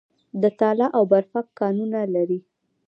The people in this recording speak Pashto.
د تاله او برفک کانونه لري